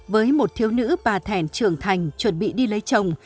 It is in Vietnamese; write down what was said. với một thiếu nữ bà thẻn trưởng thành chuẩn bị đi lấy chồng